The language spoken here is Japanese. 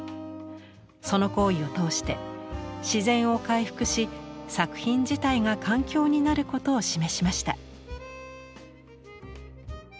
その行為を通して自然を回復し作品自体が環境になることを示しました。